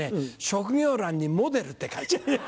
職業欄に「モデル」って書いちゃった。